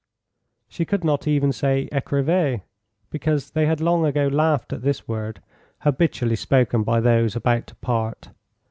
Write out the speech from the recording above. She could not even say ecrivez, because they had long ago laughed at this word, habitually spoken by those about to part.